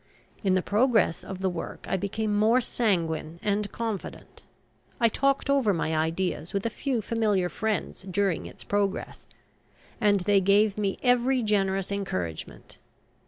In the progress of the work I became more sanguine and confident. I talked over my ideas with a few familiar friends during its progress, and they gave me every generous encouragement.